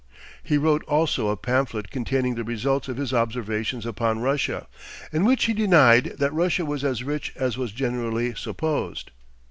He wrote also a pamphlet containing the results of his observations upon Russia, in which he denied that Russia was as rich as was generally supposed.